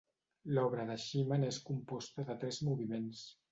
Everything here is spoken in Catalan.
L'obra de Schumann és composta de tres moviments.